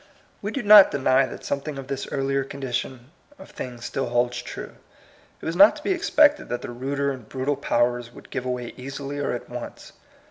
We do not deny that something of this earlier condition of things still holds true. It was not to be expected that the ruder and brutal powers would give way easily or at once.